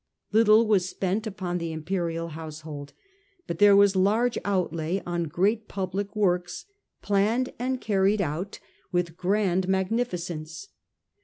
Little was spent works, upon the imperial household, but there was large outlay on great public works, planned and carried out 97 117 * 15 7'rajan, with grand magnificence.